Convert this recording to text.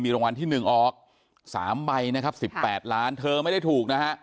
รางวัลที่หนึ่งออกสามใบนะครับสิบแปดล้านเธอไม่ได้ถูกนะฮะ